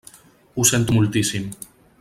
Ho sento moltíssim.